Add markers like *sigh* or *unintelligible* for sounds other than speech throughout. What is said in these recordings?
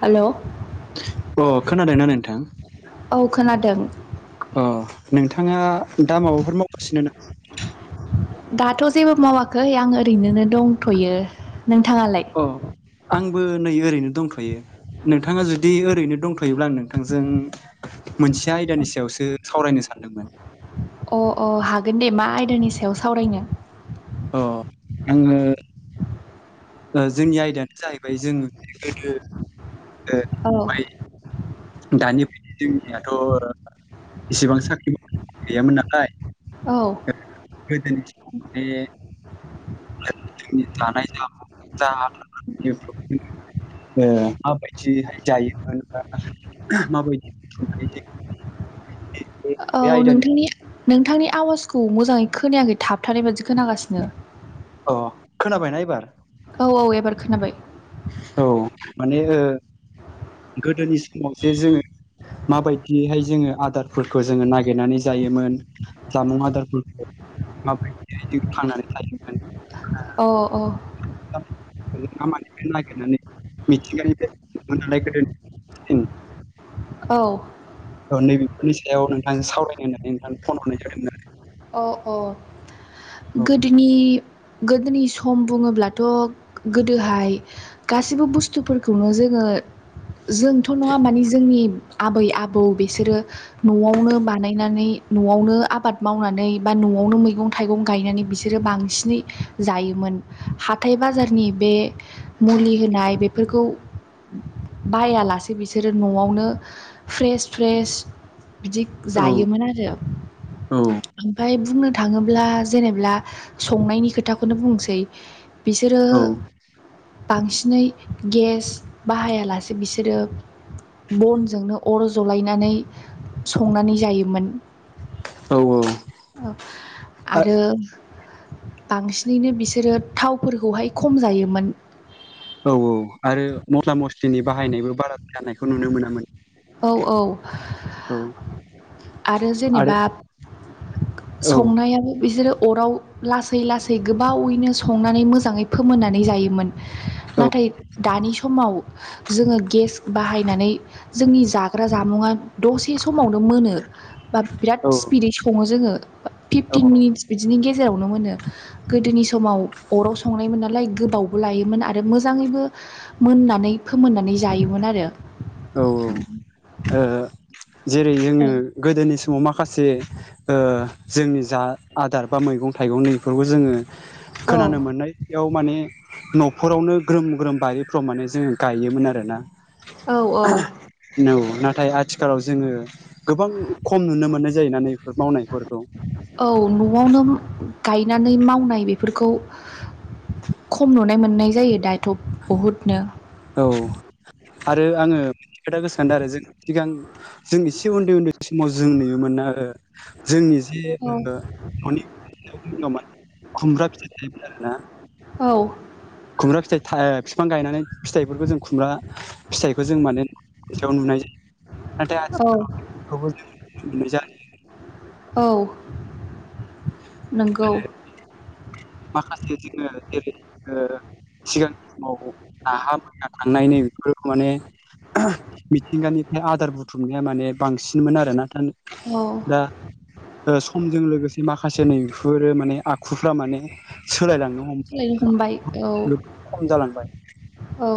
हेल' अ खोनादोंना नोंथां? औ खोनादों। अ नोंथाङा दा माबाफोर मावगासिनो नामा? दाथ' जेबो मावाखै आं ओरैनो दंथ'यो ।नोंथांङालाय? अ आंबो नै ओरैनो दंथ'यो। नोंथाङा जुदि ओरैनो दंथ'योब्ला आं नोंथांजों मोनसे आयदानि सायावसो सावरायनो सानदं सानदोंमोन अ अ हागोन दे मा आयदानि सायाव सावरायनो? अ आङो। जोंनि आयदायानो जाहैबाय जों गोदो ओ औ ओमफ्राय दानि जोंनियाथ' इसेबां साख्रि बाख्रि गैयामोन नालाय औ। गोदोनि समाव माने दानाय *inaudible* *unintelligible* ओ माबायदिहाय जायोमोन बा माबायदियो संनाय जायोमोन *inaudible* *unintelligible* औ नोंथांनि नोंथांनि आवाजखौ मोजाङै खोनायाखै थाबथानाय बादि खोनागासिनो। अ खोनाबायना एबार? औ औ एबार खोनाबाय। औ माने गोदोनि समाव जे जोङो। माबायदियहाय जोङो आदारफोरखौ जोङो नागिरनानै जायोमोन जामुं आदारफोरखौ माबोरैहाय जों थांनानै थायोमोन अ औ मा मानिफ्राय नागिरनानै मिथिंगानिफ्राय मोनाय गोदोनि उ। औ। औ नैबेफोरनि सायाव नोंथांजों सावरायनो होननानै नोंथांनो फन हरनाय जादोंमोन आरो। अ अ आरो गोदोनि - गोदोनि सम बुङोब्लाथ' गोदोहाय गासैबो बुस्थुफोरखौनो जोङो जोंथ' नङा माने जोंनि। आबै आबौ बिसोरो न'आवनो बानायनानै न'आवनो आबाद मावनानै नै बा न'आवनो मैगं-थाइगं गायनानै बिसोरो बांसिनै जायोमोन हाथाय बाजार नि बे मुलि होनाय बेफोरखौ बायालासे बिसोरो न'आवनो फ्रेस फ्रेस बिदि जायोमोन आरो। औ ओमाय बुंनो थाङोब्ला जेनेबा संनायनि खोथाखौनो बुंसै बिसोरो औ बांसिनै गेस बाहायालासे बिसोरो। बनजोंनो अर जलायनानै संनानै जायोमोन। औ औ। ओ आरो बांसिनैनो बिसोरो थावफोरखौहाय खम जायोमोन। औ औ आरो मस्ला मस्लिनि बाहायनायबो बारा जानायखौ नुनो मोना। औ औ। औ आरो जेनेबा औ संनायाव। बिसोरो अराव लासै लासै गोबावैनो संनानै मोजाङै फोमोननानै जायोमोन। औ नाथाय दानि समाव जोङो गेस बाहायनानै। जोंनि जाग्रा जामुं दसे समावनो मोनो। बा बिराद औ स्पिदै सङो जोङो औ फिफटिन मिनिटस बिदिनो गेस। जेरावनो मोनो गोदोनि समाव अराव संनायमोन नालाय गोबावबो लायोमोन आरो मोजाङैबो मोननानै फोमोननानै जायोमोन आरो। औ औ ओ। जेरै जोङो गोदोनि समाव माखासे ओ जोंनि जा आदार बा मैगं गं थाइगंनि बेफोरखौ जोङो औ खोनानो मोननायाव माने न'फोरावनो ग्रोम ग्रोम बायो। प्रमाने जोङो गायोमोन आरोना। औ औ औ नाथाय आथिखालाव जोङो गोबां खम नुनो मोननाय जायोन ना नैफोर मावनायफोरखौ। औ न'आवनो गायनानै मावनाय बेफोरखौ। खम नुनाय मोननाय जायो दाथ' बहुदनो। औ। आरो आङो खोथा गोसोखांदों आरो जों सिगां जों एसे उन्दै उन्दै समाव जों नुयोमोन। ना ओ जोंनि दि औ जोङो खुमब्रा फिथाइ थायोमोन आरोना। औ खुमब्रा फिथाइ था बिफां गायनानै फिथाइफोरखौ जों खुमब्रा फिथाइ खो जों माने बेयाव नुनाय जायो नाथाय औ आथिखालखौबो जों नुनाय जायो। औ नोंगौ। माखासे जोङो जेरै ओ सिगांनि समाव नाहाम मैहाम थांनायनि बेफोर माने मिथिंगानिफ्राय आदार बुथ बुथुमनाया माने बांसिनमोन आरो ना। औ ओ समजों लोगोसे माखासे नैबफोरो माने आखुफ्रा माने खालायनो हमबाय औ खम जालांबाय औ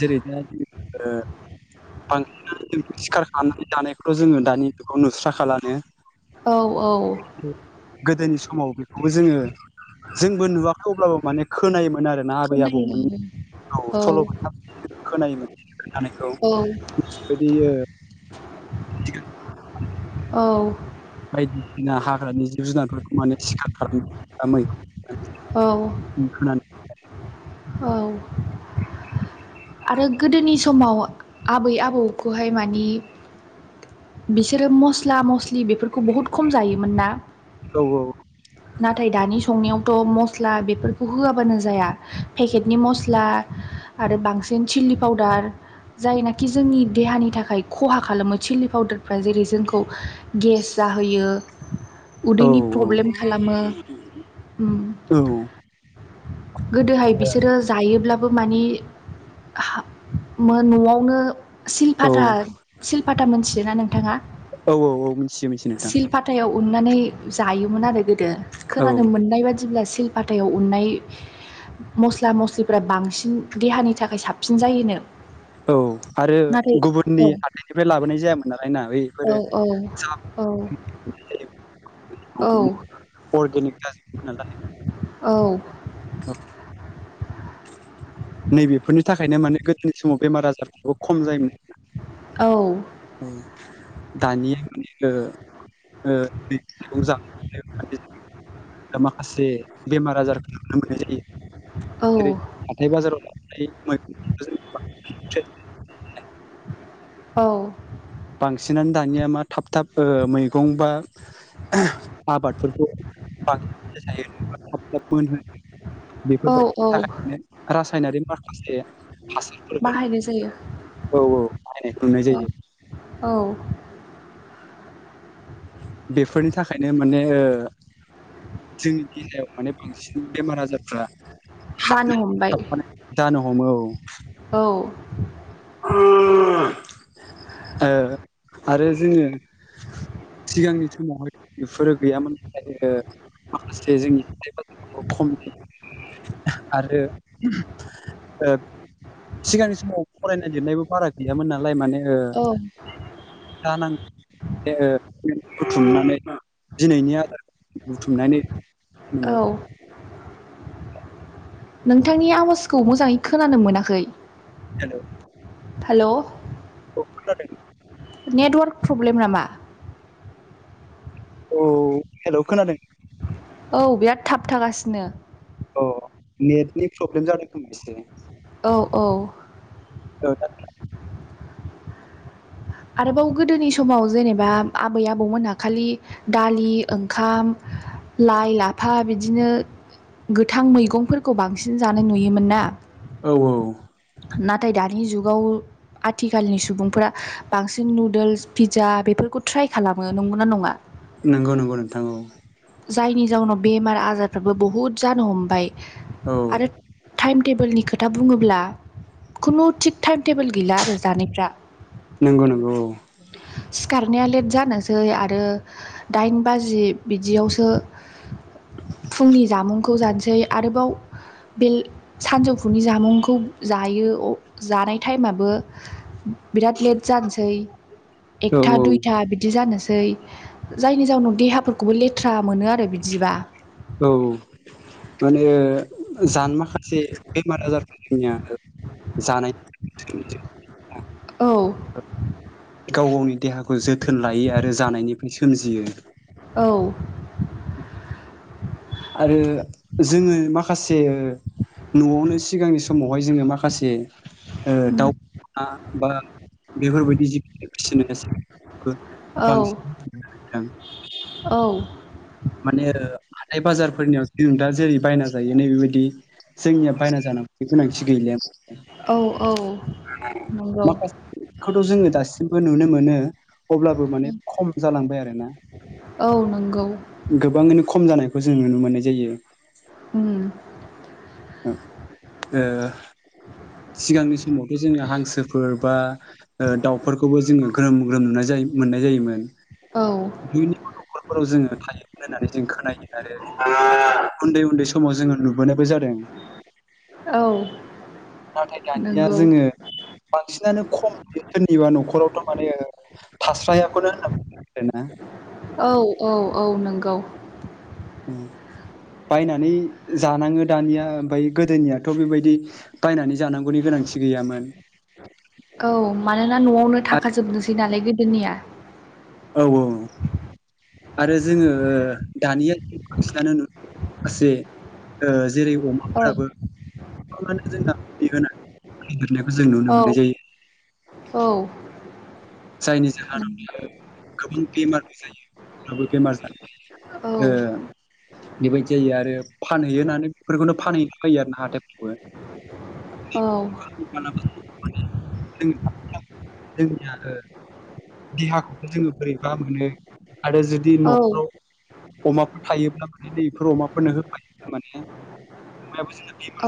जेरै दा ओ बांसिनानो जों सिखार खालामनानै जानायखौ जोङो दानि बेखौ नुस्रा खालानो। औ औ। गोदोनि समाव बेखौबो जोङो जोंबो नुवाखै अब्लाबो माने खोनायोमोन। मोन आरोना आबै खोनायो आबौमोन औ सल'बाथा खोनायोमोन खोनानायखौ औ बे बिदि ओ *unintelligible* औ बायदिसिना हाग्रानि जिब जुनारफोरखौ माने सिखार खालाम मैगं *unintelligible* औ आरो गोदोनि समाव आबै आबौखौहाय मानि बिसोरो मस्ला मस्लि बेफोरखौ बहुत खम जायोमोन ना औ औ नाथाय दानि संनायावथ' मस्ला बेफोरखौ होआबानो जाया पेकेटनि मस्ला आरो बांसिन चिलि पाउदार जायनाखि जोंनि देहानि थाखाय खहा खालामो चिललि पाउदारफ्रा जेरै जोंखौ गेस जाहोयो औ उदैनि प्रब्लेम खालामो गोदोहाय बिसोरो जायोब्ला मानि न' आवनो सिलपाता औ माने *unintelligible* मोनथियोना नोंथांङा औ - औ - औ मिथियो मिथि नोंथां हुननानै जायोमोन आरो गोदो औ खोनानो मोननाय बायदि जेब्ला सिलपाताव उननाय मस्ला मस्लिफ्रा बांसिन देहानि थाखाय साबसिन जायोनो औ आरो नाथाय गुबुननि औ हाथाइनिफ्राय लाबोनाय जायामोन नालाय ना बैफोरो औ औ औ *unintelligible* औ *unintelligible* नैबेफोरनि थाखायनो माने गोदोनि समाव बेमार आजारफ्राबो खम जायोमोन औ अ दानि *unintelligible* माखासे बेमार आजारखौ नुनो मोननाय जायो औ जेरै हाथाय बाजाराव *unintelligible* औ बांसिनानो दानिया मा थाब थाब मैगं बा आबादफोरखौ *unintelligible* औ बेफोरबायदिनि औ थाखायनो रासायनारि माखासे हासारफोर औ बाहायनाय जायो - औ बाहायनायखौ नुनाय जायो औ । औ बेफोरनि थाखायनो माने जोंनि देहायाव माने बांसिन बेमार आजारफ्रा जानो हमबाय *unintelligible* जानो हमो औ औ आरो जोंङो सिगांनि समावहाय बेफोरो गैयामोन माखासे जोंनि खम आरो सिगांनि समाव फरायनाय लिरनायबो बारा गैयामोन नालाय माने औ जानांगौ बुथुमनानै दिनैनि नालाय औ नोंथांनि आवाजखौ मोजांङै खोनानो मोनाखै हेलौ हेल' औ खोनादों। नेटवार्क प्रब्लेम नामा? औ हेल' खोनादों? औ बिराद थाब थागासिनो। अ नेटनि प्रब्लेम जादों खोमा एसे। औ औ औ आरोबाव गोदोनि समाव जेनेबा आबै आबौमोनहा खालि दा लि ओंखाम लाइ लाफा बिदिनो गोथां मैगंफोरखौ बांसिन जानाय नुयोमोन ना। औ औ नाथाय दानि जुगाव आथिखालनि सुबुंफोरा बांसिन नुदोल्स पिज्जा बेफोरखौ ट्राय खालामो नंगौ ना नङा? नंगौ नंगौ नोंथां औ। जायनि जाउनाव बेमार आजारफ्राबो बहुद जानो हमबाय औ आरो टाइम टेबोलनि खोथा बुङोब्ला खुनु थिग टाइम टेबोल गैला आरो जानायफ्रा नंगौ नंगौ औ। नाया लेट जानोसै आरो दाइन बाजि बिदियावसो फुंनि जामुंखौ जानोसै आरोबाव बे सानजौफुनि जामुंखौ जायो जानाय टाइमाबो बिराद लेट जानोसै औ एकथा दुइथा बिदि जानोसै जायनि जाउनाव देहाफोरखौबो लेथ्रा मोनो आरो बिदिबा औ माने जानो माखासे बेमार आजारफोर जोंनिया जानाय *inaudible* औ गाव गावनि देहाखौ जोथोन लायो आरो जानायनिफ्राय सोमजियो औ आरो जोङो माखासे न'आवनो सिगांनि समावहाय जोङो माखासे ओ उम, दाउ हा बा बेफोरबायदि *unintelligible* बो औ बांसिन *unintelligible* नोंथां औ माने ओ थाइ बाजारफोरनियाव जों दा जेरै बायना जायो नै बेबायदि जोंनिया बायना जानांगौनि गोनांथि गैलेया औ औ नंगौ। खौथ' जोङो दासिमबो नुनो मोनो अब्लाबो माने खम जालांबाय आरोना। औ नंगौ गोबाङैनो खम जानायखौ जों नुनो मोननाय जायो। उम, ओ सिगांनि समावथ' जोङो हांसोफोर बा ओ दाउफोरखौबो जोङो ग्रोम ग्रोम नुनाय जायो मोननाय जायोमोन। औ *unintelligible* न'खरफोराव जोङो थायोमोन होननानै जों खोनायो आरो *unintelligible* उन्दै उन्दै समाव जोङो नुबोनायबो जादों। *inaudible* औ नाथाय दानिया नंगौ जोङो बां सिनानो खम नुयो सोरनिबा न'खरावथ' माने थास्रायाखौनो होनना आरोना। औ औ औ नंगौ। औ बायनानै जानाङो दानिया ओमफ्राय गोदोनियाथ' बेबायदि बायनानै जानांगौनि गोनां थि गैयामोन। औ मानोना न'आवनो थाखाजोबनोसै नालाय गोदोनिया। औ औ आरो जोङो दानिया बांसिनानो नु माखासे ओ *unintelligible* जेरै औ अमाफ्राबो गोबाङानो जोंना *unintelligible* मुलि होनानै जों नुनो औ मोननाय जायो औ जायनि जाहोनाव बियो गोबां बेमार जा आवबो बेमार जानो औ ओ *inaudible* बेबायदि जायो आरो फानहैयो होननानै बेफोरखौनो फानहैनो फैयो आरोना हाथायफोरावबो *inaudible* औ *unintelligible* जोंनिया देहाखौबो जोङो बोरैबा मोनो आरो जुदि न'फ्राव अमाफोर थायोब्ला माने *unintelligible* बेफोर अमाफोरनो होफायोब्ला माने अमायाबो जों *inaudible* औ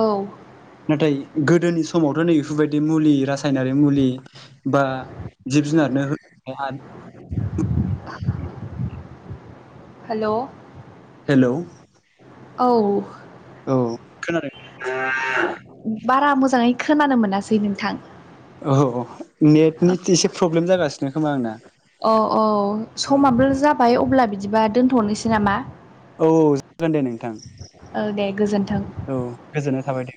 औ नाथाय गोदोनि समावथ' नै बेफोरबायदि मुलि रासायनारि मुलि बा दि जुनारनो *unintelligible* हेल' हेल' औ औ खोनादों? *inaudible* बारा मोजाङै खोनानो मोनासै नोंथां। औ औ नेटनि एसे प्रब्लेम जागासिनो खोमा आंना। औ औ औ समाबो जाबाय अब्ला बिदिबा दोनथ'नोसै नामा? औ जागोन दे नोंथां औ दे गोजोन्थों। औ गोजोननाय थाबाय दे।